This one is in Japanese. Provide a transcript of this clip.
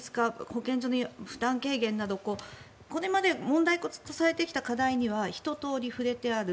保健所の負担軽減などこれまで問題とされてきた課題にはひととおり触れてある。